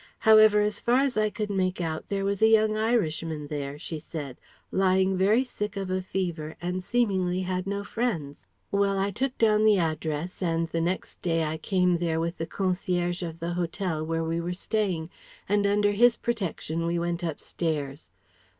However as far as I could make out there was a young Irishman there, she said, lying very sick of a fever and seemingly had no friends. "Well: I took down the address and the next day I came there with the concierge of the hotel where we were staying, and under his protection we went upstairs.